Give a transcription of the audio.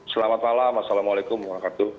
selamat malam assalamualaikum wr wb